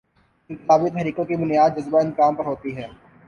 انقلابی تحریکوں کی بنیاد جذبۂ انتقام پر ہوتی ہے۔